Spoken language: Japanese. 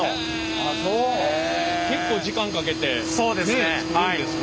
結構時間かけて作るんですね。